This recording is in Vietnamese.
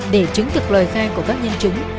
để chứng thực lời khai của các nhân chứng